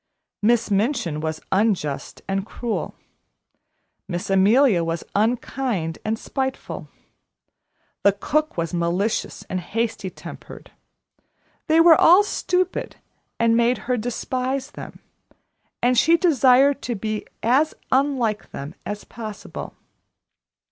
Miss Minchin was unjust and cruel, Miss Amelia was unkind and spiteful, the cook was malicious and hasty tempered they all were stupid, and made her despise them, and she desired to be as unlike them as possible.